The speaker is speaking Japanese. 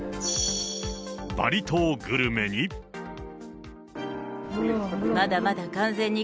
バリ島グルメに。